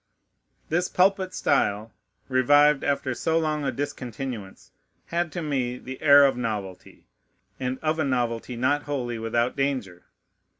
This pulpit style, revived after so long a discontinuance, had to me the air of novelty, and of a novelty not wholly without danger.